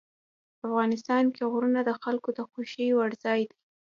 افغانستان کې غرونه د خلکو د خوښې وړ ځای دی.